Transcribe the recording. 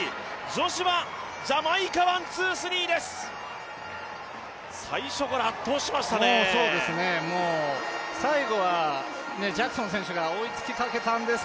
女子はジャマイカワン・ツー・スリーです。